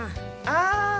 ああ。